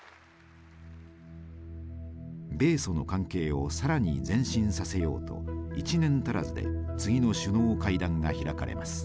米ソの関係を更に前進させようと１年足らずで次の首脳会談が開かれます。